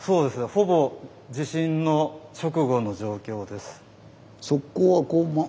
ほぼ地震の直後の状況です。